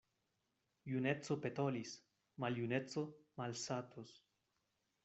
Juneco petolis, maljuneco malsatos.